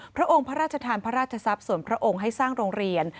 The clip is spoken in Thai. พระองค์พระราชทานพระราชทรัพย์ส่วนพระองค์ให้สร้างโรงเรียน